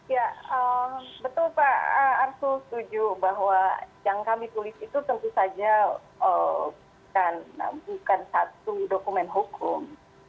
ya betul pak arsul setuju bahwa yang kami tulis itu tentu saja bukan satu dokumen hukum